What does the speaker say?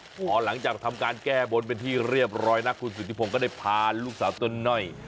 พอหลังจากทำการแก้บนเป็นที่เรียบร้อยนะคุณสุธิพงศ์ก็ได้พาลูกสาวตัวน้อย